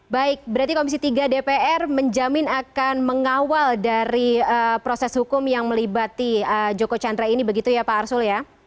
baik berarti komisi tiga dpr menjamin akan mengawal dari proses hukum yang melibati joko chandra ini begitu ya pak arsul ya